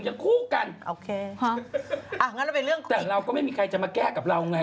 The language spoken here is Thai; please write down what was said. อย่างอกสันเราก็ไม่มีใครจะมาแก้กับเรายังไง